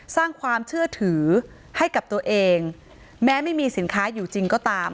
สร้างความเชื่อถือให้กับตัวเองแม้ไม่มีสินค้าอยู่จริงก็ตาม